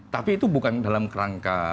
tapi itu bukan dalam kerangka